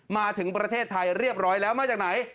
มาถึงประเทศไทยเรียบร้อยแล้วมาจากไหน